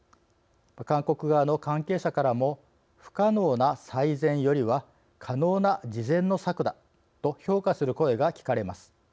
韓国側の関係者からも「不可能な最善よりは可能な次善の策だ」と評価する声が聞かれます。